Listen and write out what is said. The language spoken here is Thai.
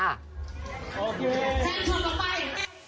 แทนชนต่อไป